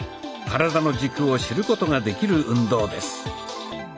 体の軸を知ることができる運動です。